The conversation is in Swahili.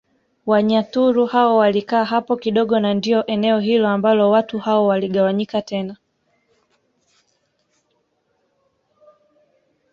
Wanyaturu hao walikaa hapo kidogo na ndio eneo hilo ambalo watu hao waligawanyika tena